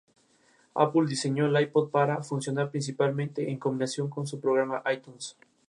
Permaneció más de un año arrestado por razones políticas.